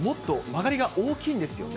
曲がりが大きいんですよね。